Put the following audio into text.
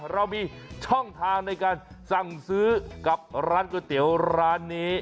เรามีช่องทางในการสั่งซื้อกับร้านก๋วยเตี๋ยวร้านนี้